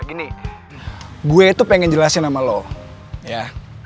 gue tuh pengen jelasin sama lo ya